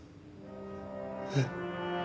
えっ。